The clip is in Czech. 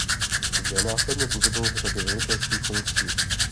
Zde následně působil v řadě velitelských funkcí.